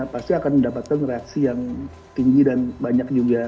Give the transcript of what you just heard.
pasti akan mendapatkan reaksi yang tinggi dan banyak juga